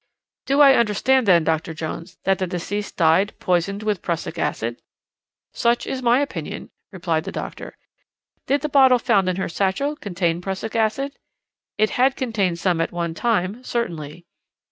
"'Do I understand, then, Dr. Jones, that the deceased died, poisoned with prussic acid?' "'Such is my opinion,' replied the doctor. "'Did the bottle found in her satchel contain prussic acid?' "'It had contained some at one time, certainly.'